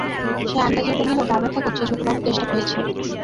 সে আন্দাজে বলিল, গা ব্যথা কচ্ছে ছোটবাবু, তেষ্টা পেয়েছে।